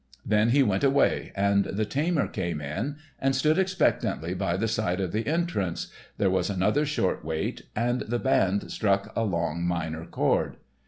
Then he went away and the tamer came in and stood expectantly by the side of the entrance, there was another short wait and the band struck a long minor chord.